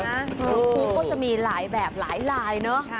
ก็จะมีหลายแบบหลายเนอะ